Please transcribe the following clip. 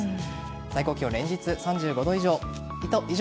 最高気温は連日３５度以上。